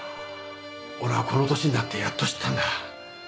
俺はこの年になってやっと知ったんだ。